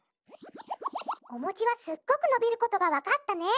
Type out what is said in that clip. おもちはすっごくのびることがわかったね。